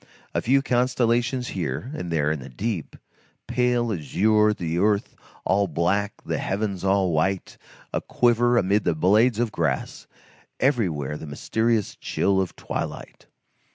A few constellations here and there in the deep, pale azure, the earth all black, the heavens all white, a quiver amid the blades of grass, everywhere the mysterious chill of twilight.